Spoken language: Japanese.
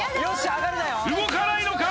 動かないのか？